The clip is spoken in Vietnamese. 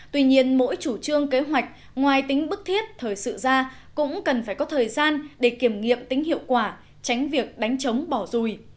tuy nhiên mỗi chủ trương kế hoạch ngoài tính bức thiết thời sự ra cũng cần phải có thời gian để kiểm nghiệm tính hiệu quả tránh việc đánh chống bỏ rùi